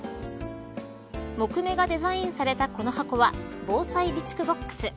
木目がデザインされたこの箱は防災備蓄ＢＯＸ。